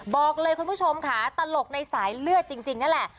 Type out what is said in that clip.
บอกเลยคุณผู้ชมค่ะตลกในสายเลือดจริงนั่นแหละ